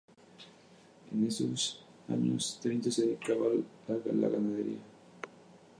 En los años treinta se dedica a la ganadería.